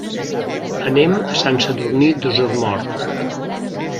Anem a Sant Sadurní d'Osormort.